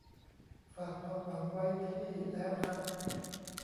ฝากความหวังไว้ที่ แล้วฮะ